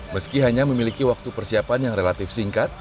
meski hanya memiliki waktu persiapan yang relatif singkat